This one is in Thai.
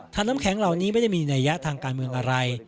ถ้าน้ำแข็งเหล่านี้ไม่ได้มีนัยยะทางการเมืองอะไร